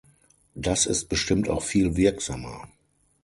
Das ist bestimmt auch viel wirksamer.